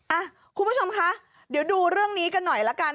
อ่ะคุณผู้ชมคะเดี๋ยวดูเรื่องนี้กันหน่อยละกัน